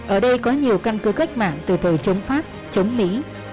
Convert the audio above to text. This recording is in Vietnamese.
ở đây có nhiều căn cứ cách mạng từ thời chống pháp chống mỹ